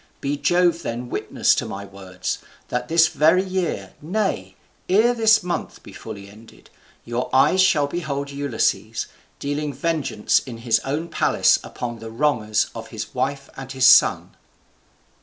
Be Jove then witness to my words, that this very year, nay, ere this month be fully ended, your eyes shall behold Ulysses, dealing vengeance in his own palace upon the wrongers of his wife and his son."